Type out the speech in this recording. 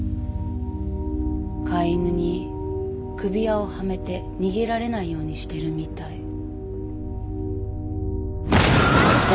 飼い犬に首輪をはめて逃げられないようにしてるみたい。